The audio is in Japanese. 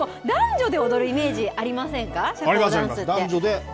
男女で踊るイメージありませんか。